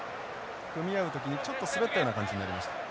組み合う時にちょっと滑ったような感じになりました。